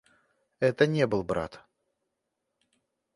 Это не был брат.